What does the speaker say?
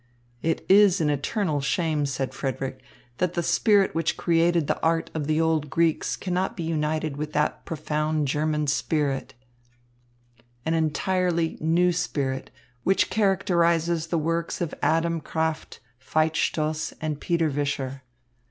"It is an eternal shame," said Frederick, "that the spirit which created the art of the old Greeks cannot be united with that profound German spirit, an entirely new spirit, which characterises the works of Adam Krafft, Veit Stoss, and Peter Vischer."